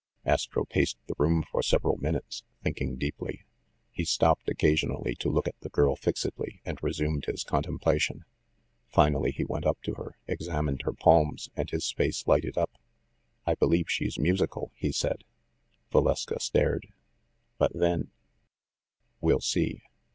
Astro paced the room for several minutes, thinking deeply. He stopped occasionally to look at the girl fixedly, and resumed his contemplation. Finally he went up to her, examined her palms, and his face lighted up. "I believe she's musical !" he said. Valeska stared. "But then‚ÄĒ" "We'll see.